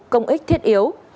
công ích thiết yếu